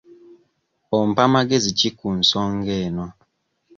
Ompa magezi ki ku nsonga eno?